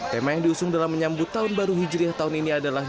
tema yang diusung dalam menyambut tahun baru hijriah tahun ini adalah